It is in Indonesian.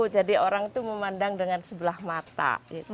jadi orang itu memandang dengan sebelah mata